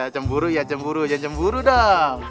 cemburu ya cemburu jangan cemburu dong